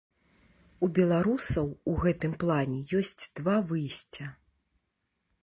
У беларусаў у гэтым плане ёсць два выйсця.